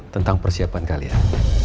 tentang persiapan kalian